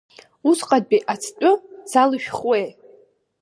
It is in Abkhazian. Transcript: Усҟатәи ацҭәы залышәхуеи?